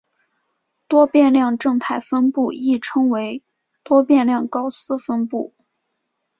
多变量正态分布亦称为多变量高斯分布。